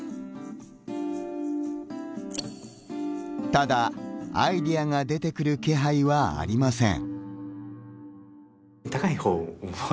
ただ、アイデアが出てくる気配はありません。